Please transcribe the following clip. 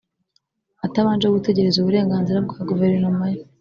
atabanje gutegereza uburenganzira bwa guverinoma ye.